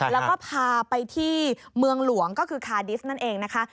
แล้วก็พาไปที่เมืองหลวงก็คือคาดิสนั่นเองนะคะ